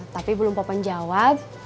tapi belum popo jawab